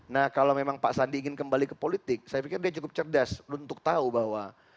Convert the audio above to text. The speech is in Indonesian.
nah kalau memang pak sandi ingin kembali ke politik saya pikir dia cukup cerdas untuk tahu bahwa